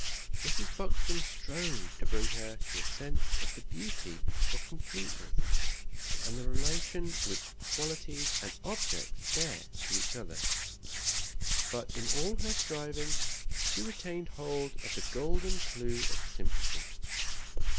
Mrs. Buxton strove to bring her to a sense of the beauty of completeness, and the relation which qualities and objects bear to each other; but in all her striving she retained hold of the golden clue of sympathy.